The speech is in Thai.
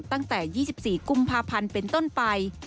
ตั้งแต่๒๔กุมภาพันธ์เป็นต้นไป